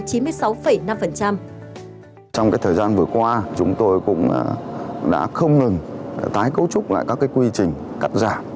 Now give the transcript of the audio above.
trong thời gian vừa qua chúng tôi cũng đã không ngừng tái cấu trúc lại các quy trình cắt giảm